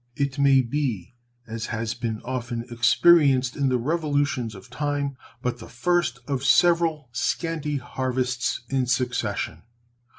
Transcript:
It may be, as has been often experienced in the revolutions of time, but the first of several scanty harvests in succession.